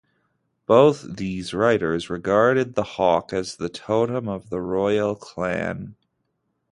Both these writers regard the hawk as the totem of the royal clan.